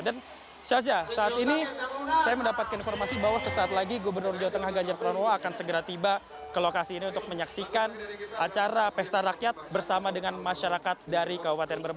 dan tatsi yasin maimun saat ini saya mendapatkan informasi bahwa sesaat lagi gubernur jawa tengah ganjar pranowo akan segera tiba ke lokasi ini untuk menyaksikan acara pesta rakyat bersama dengan masyarakat dari kabupaten